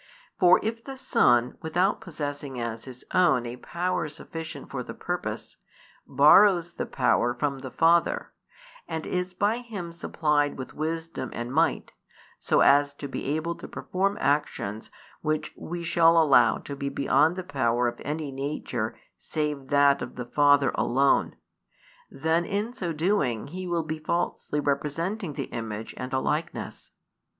For if the Son, without possessing as His own a power sufficient for the purpose, borrows the power from the Father, and is by Him supplied with wisdom and might, so as to be able to perform actions which we shall allow to be beyond the power of any nature save that of the Father alone; then in so doing He will be falsely representing the Image and the Likeness.